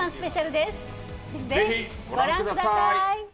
ぜひご覧ください！